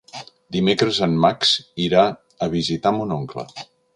Dimecres en Max irà a visitar mon oncle.